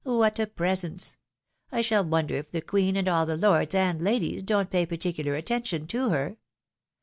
What a presence ! I shall wonder if the Queen, and all the lords and ladies, don't pay particular attention to her.